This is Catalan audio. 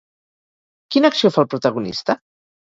Quina acció fa el protagonista?